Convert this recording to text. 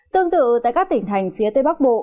tương tự tại các tỉnh thành phía tây bắc bộ